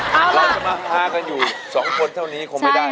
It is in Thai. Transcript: เราจะมาฮากันอยู่สองคนเท่านี้คงไม่ได้